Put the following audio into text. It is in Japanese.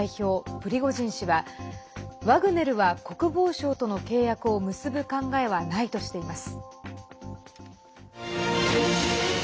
プリゴジン氏はワグネルは国防省との契約を結ぶ考えはないとしています。